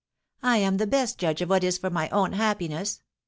I am the best judge of what is for my own happiness.